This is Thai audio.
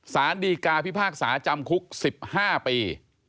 สารดีกาพิพากษาจำคุก๑๕ปี